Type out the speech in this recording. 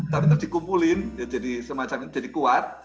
tapi kita dikumpulin jadi semacam jadi kuat